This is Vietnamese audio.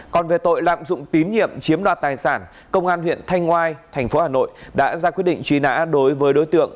còn về tội lạm dụng tín nhiệm chiếm đoạt tài sản công an huyện thanh ngoai tp hà nội đã ra quyết định truy nã đối với đối tượng